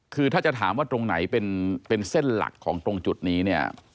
คือถ้าจะถามว่าตรงไหนเป็นเส้นหลักของตรงจุดนี้เนี่ย